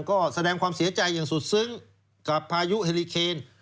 ก็แสดงความเสียใจอย่างสุดซึ้งกับพายุเฮลิเคน